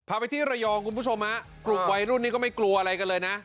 พาไปที่ระยองคุณผู้ชมฮะกลุ่มวัยรุ่นนี้ก็ไม่กลัวอะไรกันเลยนะ